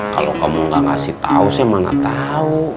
kalau kamu gak ngasih tau saya mana tau